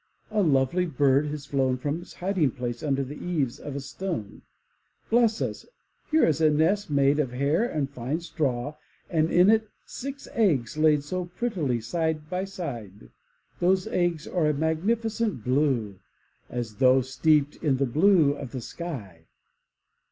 A lovely bird has flown from its hiding place under the eaves of a stone. Bless us! here is a nest made of hair and fine straw, and in it six eggs laid so prettily side by side. Those eggs are a magnificent blue, as though steeped in the blue of the sky.